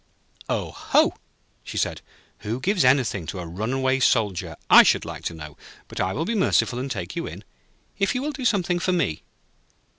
'Oh ho!' she said. 'Who gives anything to a runaway Soldier, I should like to know. But I will be merciful and take you in, if you will do something for me.'